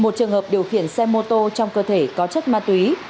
một trường hợp điều khiển ô tô tham gia giao thông có vi phạm về nồng độ cồn